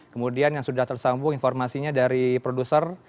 kemudian yang sudah tersambung informasinya dari produser